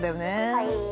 ◆はい。